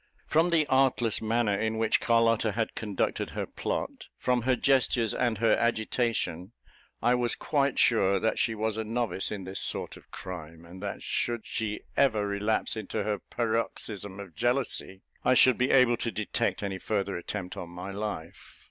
From the artless manner in which Carlotta had conducted her plot; from her gestures and her agitation, I was quite sure that she was a novice in this sort of crime, and that should she ever relapse into her paroxysm of jealousy, I should be able to detect any farther attempt on my life.